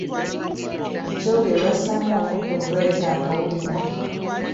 Mu kyogero bassaamu omuddo gwe bayita akawulira.